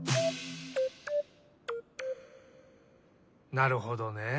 なるほどね。